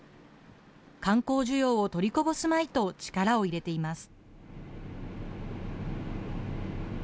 観光需要を取りこぼすまいと、力を入れています。